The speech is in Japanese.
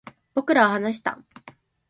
僕らは話した